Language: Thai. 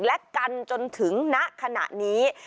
และกันจนถึงณขณะนี้